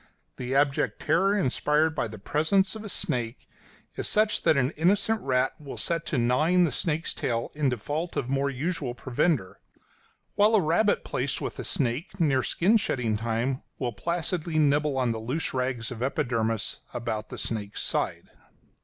The abject terror inspired by the presence of a snake is such that an innocent rat will set to gnawing the snake's tail in default of more usual provender; while a rabbit placed with a snake near skin shedding time will placidly nibble the loose rags of epidermis about the snake's sides.